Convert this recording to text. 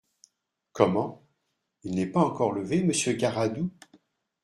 Comment ! il n’est pas encore levé, Monsieur Garadoux ?